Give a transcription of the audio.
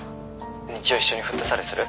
日曜一緒にフットサルする？